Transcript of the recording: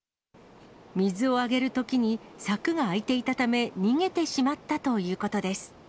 水をあげるときに、柵が開いていたため、逃げてしまったということです。